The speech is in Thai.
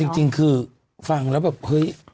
เอาจริงคือฟังละแบบเฮ้ย